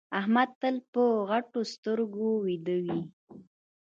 احمد تل په غټو سترګو ويده وي.